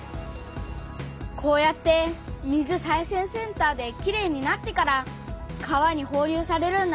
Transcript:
こうやって水再生センターできれいになってから川にほう流されるんだね。